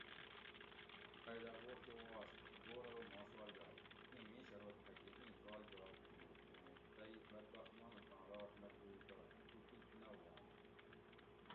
ائ دا بور کہ واست بور ارو ماں سوال جواب؟ ایں میش ارو تھہ کہ ایں سوال جواب تھو ھوں تئ بد بخت مانوڄاں رات نہ پوئ تہ تو ٹیک نہ وواں